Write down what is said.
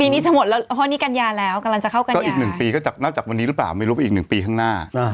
ปีนี้จะหมดแล้วเพราะอันนี้กัญญาแล้วกำลังจะเข้ากัญญาก็อีกหนึ่งปีก็นับจากวันนี้หรือเปล่าไม่รู้ไปอีกหนึ่งปีข้างหน้า